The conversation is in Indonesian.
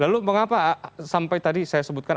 lalu mengapa sampai tadi saya sebutkan